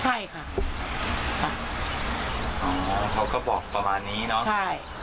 ใช่ค่ะอ๋อเขาก็บอกประมาณนี้เนอะใช่